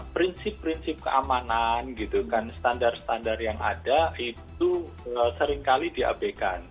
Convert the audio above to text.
prinsip prinsip keamanan standar standar yang ada itu seringkali dihapuskan